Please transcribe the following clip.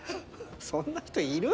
そんな人いる？